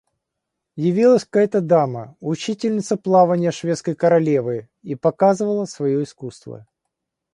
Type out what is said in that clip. Явилась какая-то дама, учительница плаванья Шведской королевы, и показывала свое искусство.